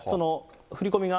振り込みが。